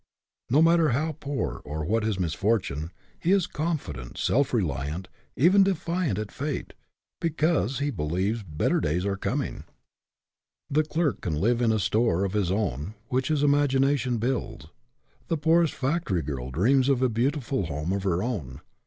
No matter how poor, or what his misfortune, he is confident, self reliant, even defiant at fate, because he believes better days are coming. The clerk can live in a store of his own which his imagination builds. The poorest factory girl dreams of a beautiful home of her own.